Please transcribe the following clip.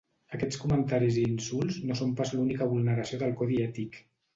Aquests comentaris i insults no són pas l’única vulneració del codi ètic.